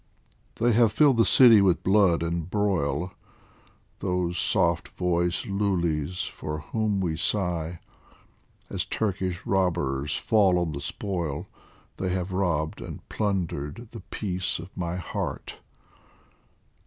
They have filled the city with blood and broil, Those soft voiced Lulis for whom we sigh ; As Turkish robbers fall on the spoil, They have robbed and plundered the peace of my heart.